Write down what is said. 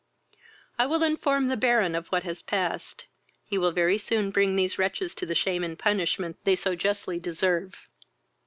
I will inform the Baron of what has passed: he will very soon bring these wretches to the shame and punishment they so justly deserve."